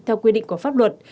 theo quy định của pháp luật